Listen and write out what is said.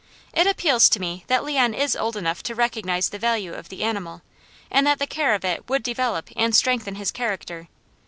It appeals to me that Leon is old enough to recognize the value of the animal; and that the care of it would develop and strengthen his character.